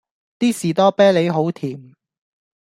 D 士多啤利好甜